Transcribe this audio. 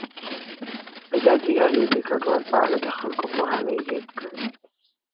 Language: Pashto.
ازادي راډیو د کډوال په اړه د خلکو پوهاوی زیات کړی.